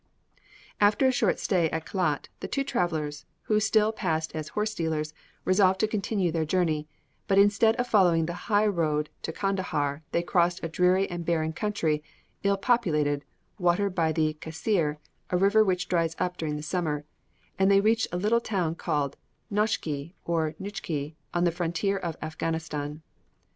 After a short stay at Kelat, the two travellers, who still passed as horse dealers, resolved to continue their journey, but instead of following the high road to Kandahar, they crossed a dreary and barren country, ill populated, watered by the Caisser, a river which dries up during the summer; and they reached a little town, called Noschky or Nouchky, on the frontier of Afghanistan.